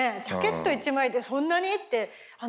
ジャケット１枚でそんなに⁉って。